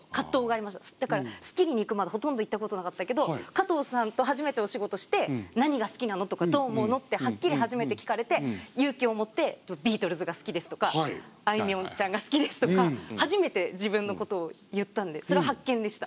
だから「スッキリ」に行くまでほとんど言ったことなかったけど加藤さんと初めてお仕事して「何が好きなの？」とか「どう思うの？」ってはっきり初めて聞かれて勇気を持って「ビートルズが好きです」とか「あいみょんちゃんが好きです」とか初めて自分のことを言ったんでそれは発見でした。